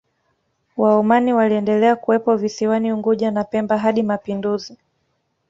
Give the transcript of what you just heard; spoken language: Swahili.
Waomani waliendelea kuwepo visiwani Unguja na Pemba hadi mapinduzi